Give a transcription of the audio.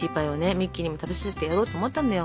ミッキーにも食べさせてやろうと思ったんだよ。